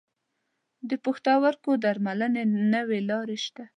د پښتورګو درملنې نوي لارې شته.